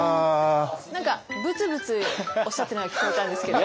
何かブツブツおっしゃってたのが聞こえたんですけど。